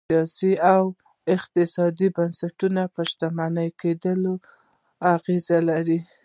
سیاسي او اقتصادي بنسټونه پر شتمن کېدو اغېز لري.